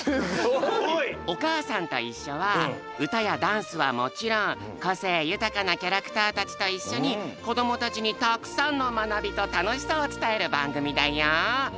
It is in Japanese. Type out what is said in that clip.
「おかあさんといっしょ」はうたやダンスはもちろんこせいゆたかなキャラクターたちといっしょにこどもたちにたくさんのまなびとたのしさをつたえるばんぐみだよ！